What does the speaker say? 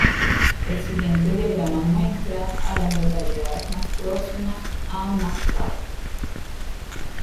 El siguiente diagrama muestra a las localidades más próximas a McGrath.